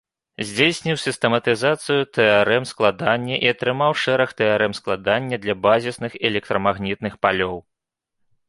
Здзейсніў сістэматызацыю тэарэм складання і атрымаў шэраг тэарэм складання для базісных электрамагнітных палёў.